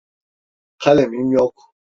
Kalemim yok.